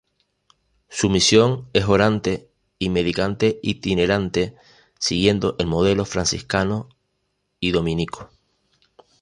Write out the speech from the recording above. Su misión es orante y mendicante-itinerante, siguiendo el modelo franciscano y dominico.